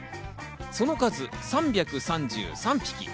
その数、３３３匹。